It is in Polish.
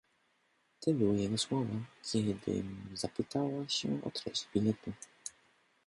"te były jego słowa, kiedym zapytała się o treść biletu."